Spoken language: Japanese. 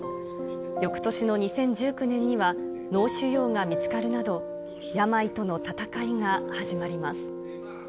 よくとしの２０１９年には脳腫瘍が見つかるなど、病との闘いが始まります。